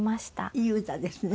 いい歌ですね。